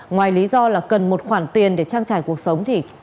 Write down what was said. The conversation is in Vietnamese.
ngoài lý do là cần một khoản tiền để trang trải cuộc sống thì